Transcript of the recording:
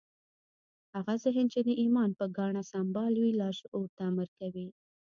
هغه ذهن چې د ايمان په ګاڼه سمبال وي لاشعور ته امر کوي.